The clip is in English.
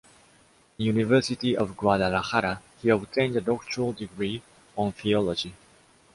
In University of Guadalajara, he obtained a doctoral degree on Theology.